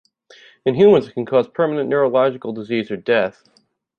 In humans it can cause permanent neurological disease or death.